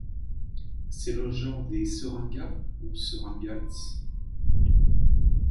C'est le genre des seringas ou seringats.